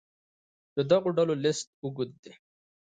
د دغو ډلو لست اوږد دی.